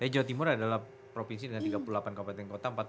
jawa timur adalah provinsi dengan tiga puluh delapan kabupaten kota